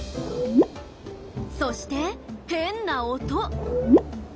そして変な音！